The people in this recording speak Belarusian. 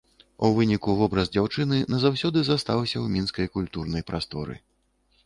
У выніку вобраз дзяўчыны назаўсёды застаўся ў мінскай культурнай прасторы.